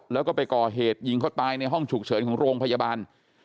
แล้วก็ไปก่อเหตุยิงเขาตายในห้องฉุกเฉินของโรงพยาบาล